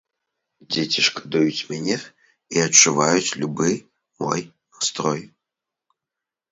Дзеці шкадуюць мяне і адчуваюць любы мой настрой.